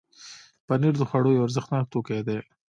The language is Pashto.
پنېر د خوړو یو ارزښتناک توکی دی.